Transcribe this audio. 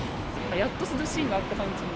やっと涼しいなっていう感じ。